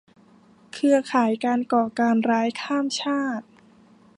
เครือข่ายการก่อการร้ายข้ามชาติ